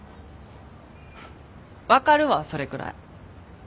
分かるわそれくらい。